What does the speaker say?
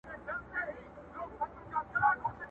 دا د زړه ورو مورچل مه ورانوی.!